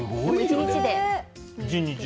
１日で。